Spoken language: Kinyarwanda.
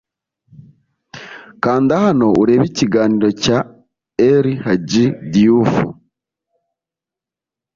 Kanda hano urebe ikiganiro cya El Hadji Diouf